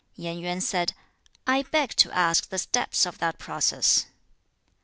2. Yen Yuan said, 'I beg to ask the steps of that process.'